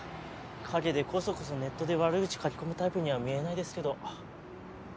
陰でコソコソネットで悪口書き込むタイプには見えないですけど。